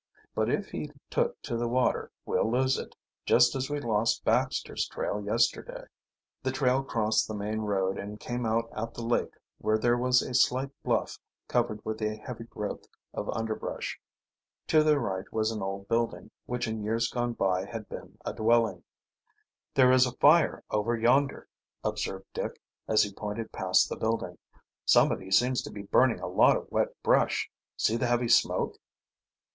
"But if he took to the water we'll lose it, just as we lost Baxter's trail yesterday." The trail crossed the main road and came out at the lake where there was a slight bluff covered with a heavy growth of underbrush. To their right was an old building, which in years gone by had been a dwelling. "There is a fire over yonder," observed Dick, as he pointed past the building "Somebody seems to be burning a lot of wet brush. See the heavy smoke."